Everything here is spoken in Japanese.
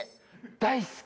大好き。